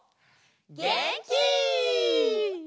げんき！